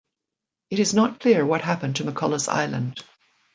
It is not clear what happened to McCullough's Island.